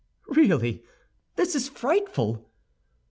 "Really, this is frightful."